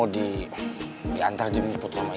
di antar jemput sama